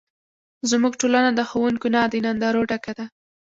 زموږ ټولنه د ښوونکو نه، د نندارو ډکه ده.